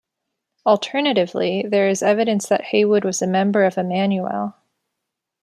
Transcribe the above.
Alternatively, there is evidence that Heywood was a member of Emmanuel.